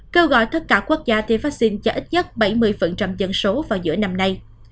kêu gọi tất cả quốc gia tiêm vaccine cho ít nhất bảy mươi dân số vào giữa năm nay